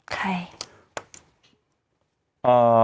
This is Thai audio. ใคร